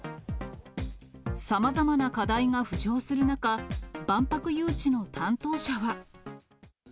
さまざまな課題が浮上する中、万博誘致の担当者は。